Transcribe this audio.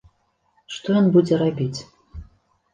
Што ён будзе рабіць?